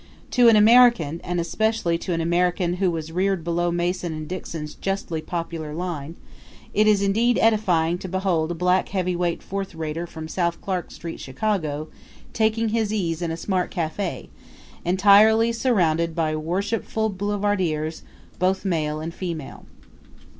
To an American and especially to an American who was reared below Mason and Dixon's justly popular Line it is indeed edifying to behold a black heavyweight fourthrater from South Clark Street, Chicago, taking his ease in a smart cafe, entirely surrounded by worshipful boulevardiers, both male and female.